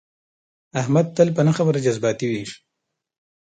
احمد تل په نه خبره جذباتي وي.